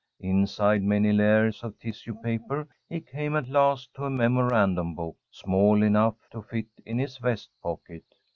Inside many layers of tissue paper, he came at last to a memorandum book, small enough to fit in his vest pocket.